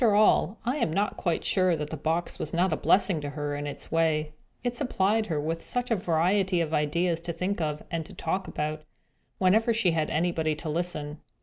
After all, I am not quite sure that the box was not a blessing to her in its way. It supplied her with such a variety of ideas to think of, and to talk about, whenever she had anybody to listen!